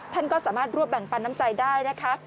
ท่านก็สามารถรวบแบ่งปันน้ำใจได้นะคะ